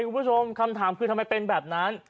คุณผู้ชมคำถามคือทำไมเป็นแบบนั้น